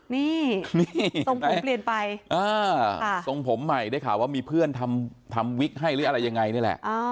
นี่ทรงผมเปลี่ยนไปทรงผมใหม่ได้ข่าวว่ามีเพื่อนทำวิกให้หรืออะไรยังไงนี่แหละ